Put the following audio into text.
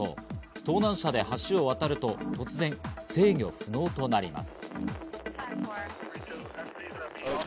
盗難車で橋を渡ると突然、制御不能となります。